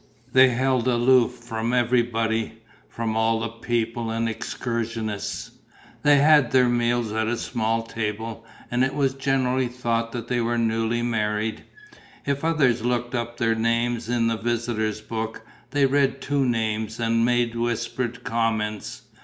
They held aloof from everybody, from all the people and excursionists; they had their meals at a small table; and it was generally thought that they were newly married. If others looked up their names in the visitors' book, they read two names and made whispered comments.